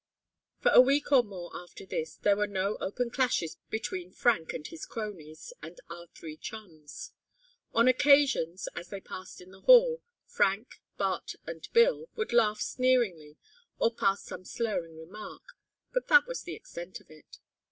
For a week or more after this there were no open clashes between Frank and his cronies and our three chums. On occasions, as they passed in the hall, Frank, Bart and Bill would laugh sneeringly or pass some slurring remark, but that was the extent of it.